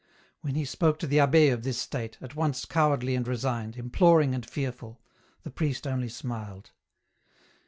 When he spoke to the abbd of this state, at once cowardly and resigned, imploring and fearful, the priest only smiled.